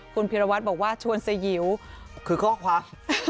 คุณพิรวัตรบอกว่าชวนสยิวคือข้อความ